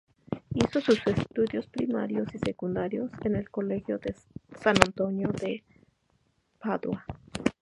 Hizo sus estudios primarios y secundarios en el colegio San Antonio de Padua.